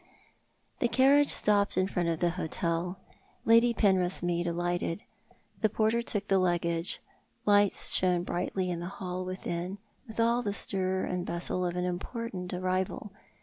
The carriage stopped in front of the hotel; Lady Penrith's maid alighted; the porter took the luggage; lights shone brightly in the hall within, with all the stir and bustle of an important arrival.